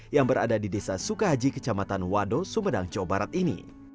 yang berada di desa sukahaji kecamatan wado sumedang jawa barat ini